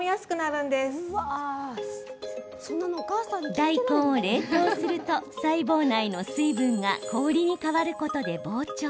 大根を冷凍すると細胞内の水分が氷に変わることで膨張。